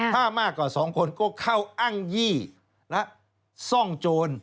ถ้ามากกว่า๒คนก็เข้าอ้างยี่และซ่องโจร